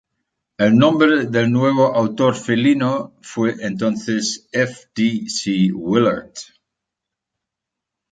El nombre del nuevo autor felino fue entonces F. D. C. Willard.